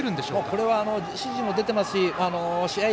これは指示も出てますし試合